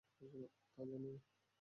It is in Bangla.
তা জানি না।